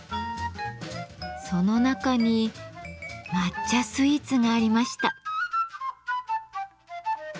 その中に抹茶スイーツがありました。